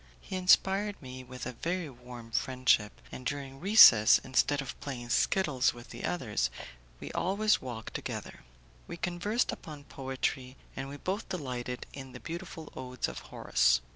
He inspired me with a very warm friendship, and during recess, instead of playing skittles with the others, we always walked together. We conversed upon poetry, and we both delighted in the beautiful odes of Horace.